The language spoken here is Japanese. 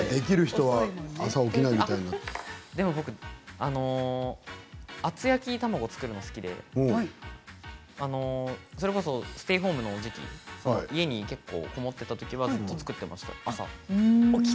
でも僕厚焼き卵を作るのが好きでそれこそステイホームの時期家に籠もっていたときは作っていました。